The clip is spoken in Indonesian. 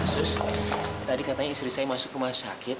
terus tadi katanya istri saya masuk rumah sakit